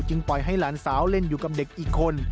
ปล่อยให้หลานสาวเล่นอยู่กับเด็กอีกคน